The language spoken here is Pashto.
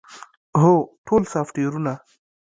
هو، ټول سافټویرونه